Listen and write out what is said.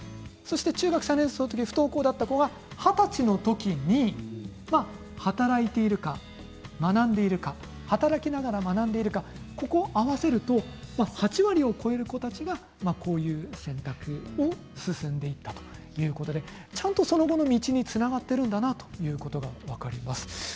中学３年生の時不登校だった子が二十歳の時に働いているか、学んでいるか働きながら学んでいるか合わせると８割を超える子たちがこういう選択を進んでいったということで、ちゃんとその後の道につながっているんだなということが分かります。